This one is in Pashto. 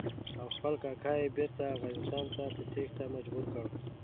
او خپل کاکا یې بېرته افغانستان ته په تېښته مجبور کړ.